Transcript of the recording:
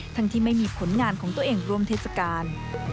ที่ไม่มีผลงานของตัวเองร่วมเทศกาล